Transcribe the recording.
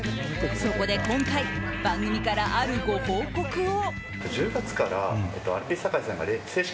そこで今回、番組からあるご報告を。